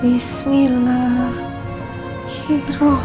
bismillah spricht dirumah